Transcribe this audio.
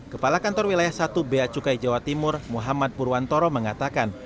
kepala kantor wilayah satu bea cukai jawa timur muhammad purwantoro mengatakan